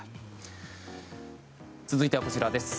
続いてはこちらです。